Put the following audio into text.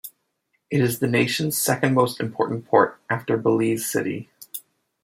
It is the nation's second most important port, after Belize City.